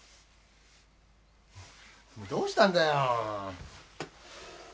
どうしたんだよ？